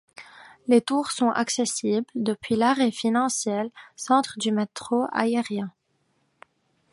Les tours sont accessibles depuis l'arrêt Financial Centre du métro aérien.